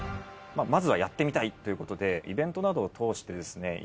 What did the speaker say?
まずはやってみたいということでイベントなどを通してですね